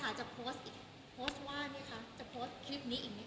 สำหรับผู้ใหญ่ในภาคมันประชาลังไม่ได้คำแนะนำในเรื่องของ